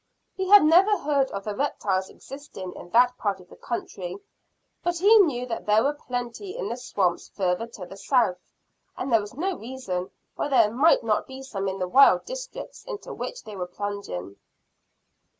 He had never heard of the reptiles existing in that part of the country, but he knew that there were plenty in the swamps farther to the south, and there was no reason why there might not be some in the wild districts into which they were plunging.